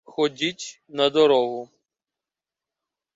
Ходіть на дорогу.